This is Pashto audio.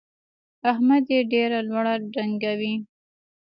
احمد يې ډېره لوړه ډنګوي.